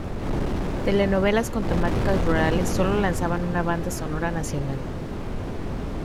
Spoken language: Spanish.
Telenovelas con temáticas rurales solo lanzaban una banda sonora Nacional.